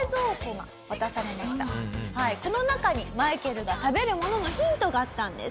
この中にマイケルが食べるもののヒントがあったんです。